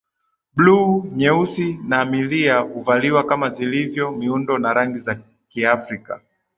Bluu nyeusi na milia huvaliwa kama zilivyo miundo na rangi za Kiafrika